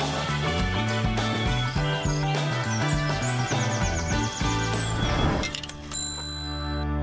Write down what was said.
ว้าว